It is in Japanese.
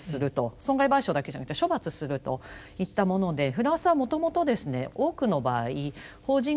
損害賠償だけじゃなくて処罰するといったものでフランスはもともとですね多くの場合法人が関与した犯罪についてはですね